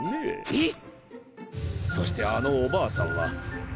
えっ！？